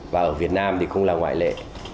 và ở việt nam thì không là ngoại lệ